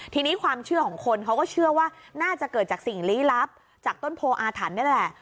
ทีนี้ความเชื่อของคนเขาก็เชื่อว่าน่าจะเกิดจากสิ่งลี้ลับจากต้นโพออาถรรพ์นี่แหละ